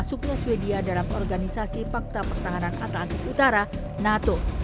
penutupnya swedia dalam organisasi pakta pertahanan atlantik utara nato